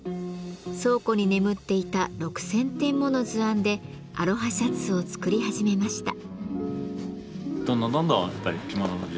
倉庫に眠っていた６，０００点もの図案でアロハシャツを作り始めました。